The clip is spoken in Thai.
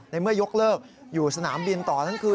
ในเมื่อยกเลิกอยู่สนามบินต่อทั้งคืน